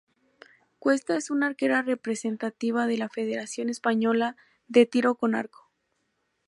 Cuesta es una arquera representativa de la Federación Española de Tiro con Arco.